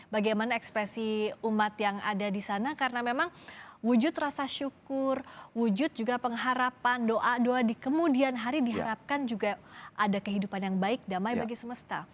bagaimana ekspresi umat yang ada di sana karena memang wujud rasa syukur wujud juga pengharapan doa doa di kemudian hari diharapkan juga ada kehidupan yang baik damai bagi semesta